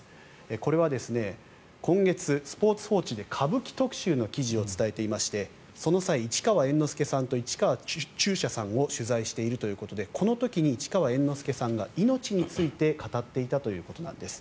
これは今月、スポーツ報知で歌舞伎特集の記事を伝えていましてその際、市川猿之助さんと市川中車さんを取材しているということでこの時に市川猿之助さんが命について語っていたということなんです。